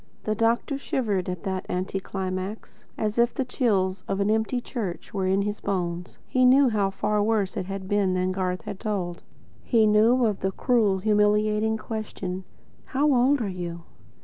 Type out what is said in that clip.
The doctor shivered at that anticlimax, as if the chill of an empty church were in his bones. He knew how far worse it had been than Garth had told. He knew of the cruel, humiliating question: "How old are you?"